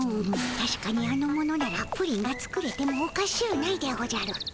たしかにあの者ならプリンが作れてもおかしゅうないでおじゃる。